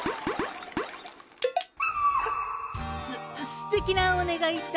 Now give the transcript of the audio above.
すてきなおねがいだね。